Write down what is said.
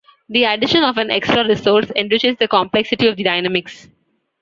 The addition of an extra resource enriches the complexity of the dynamics.